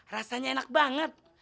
rasanya enak banget